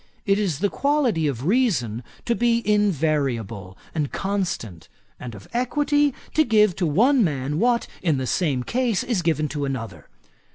It is the quality of reason to be invariable and constant; and of equity, to give to one man what, in the same case, is given to another.